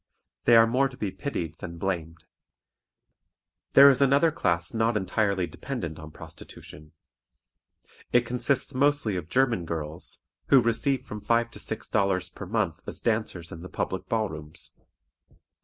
They are more to be pitied than blamed. There is another class not entirely dependent on prostitution. It consists mostly of German girls, who receive from five to six dollars per month as dancers in the public ball rooms.